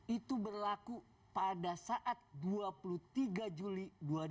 itu berlaku pada saat dua puluh tiga juli dua ribu dua puluh